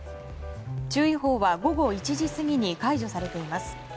注意報は午後１時過ぎに解除されています。